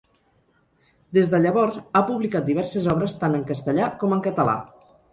Des de llavors ha publicat diverses obres tant en castellà com en català.